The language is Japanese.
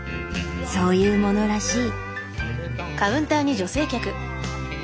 そういうものらしい。